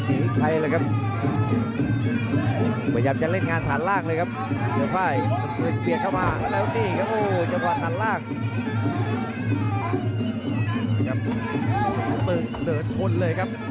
สี่มูตนะตี้อีกแล้วครับ